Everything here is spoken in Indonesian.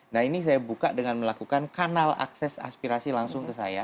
nah ini saya buka dengan melakukan kanal akses aspirasi langsung ke saya